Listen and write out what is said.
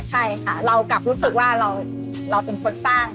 ใช่ค่ะเรากลับรู้สึกว่าเราเป็นคนสร้าง